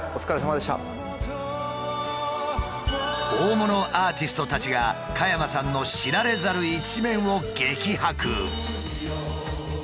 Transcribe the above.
大物アーティストたちが加山さんの知られざる一面を激白！